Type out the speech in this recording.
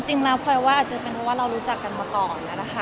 จริงเราควรอยากว่าจะเป็นว่าเรารู้จักกันมาก่อนนะคะ